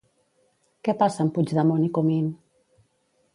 Què passa amb Puigdemont i Comín?